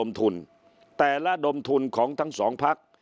แต่ละดมทุนของทั้งสองพัก